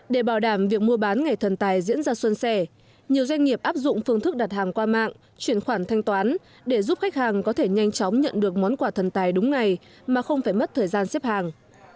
để bảo đảm việc mua bán ngày thần tài diễn ra xuân sẻ nhiều doanh nghiệp áp dụng phương thức đặt hàng qua mạng chuyển khoản thanh toán để giúp khách hàng có thể nhanh chóng nhận được món quà thần tài đúng ngày mà không phải mất thời gian xếp hàng